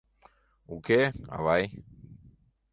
Уке, авай.